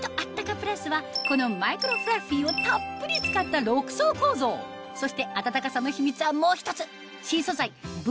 プラスはこのマイクロフラッフィーをたっぷり使った６層構造そして暖かさの秘密はもう１つ新素材Ｖ−